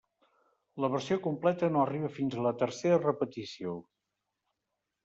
La versió completa no arriba fins a la tercera repetició.